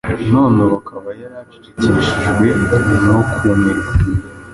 none ubu akaba yari yacecekeshejwe no kumirwa.